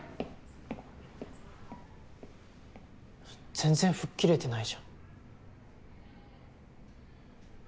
全然吹っ切れてないじゃん。